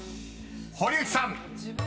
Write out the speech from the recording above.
堀内さん］